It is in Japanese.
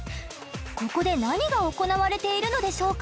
ここで何が行われているのでしょうか？